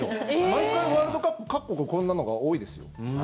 毎回ワールドカップ各国、こんなのが多いですよ。